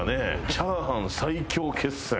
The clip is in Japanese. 「チャーハン最強決戦」